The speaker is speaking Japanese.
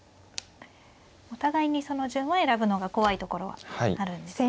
お互いにその順を選ぶのが怖いところはあるんですね。